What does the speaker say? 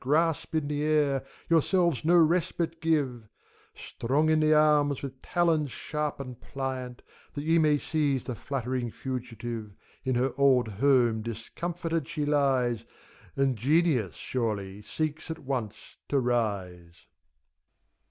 Grasp in the air, yourselves no respite give ! Strong in the arms, with talons sharp and pliant, That ye may seize the fluttering fugitive I In her old home discomforted she lies, And Genius, surely, seeks at once to rise.